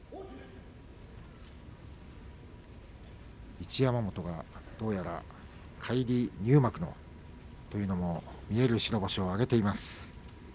一山本がどうやら返り入幕の見える白星を挙げています。